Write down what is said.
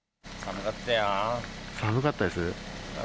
寒かったです？